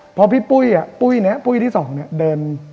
พี่ปุ้ยที่สองเดิน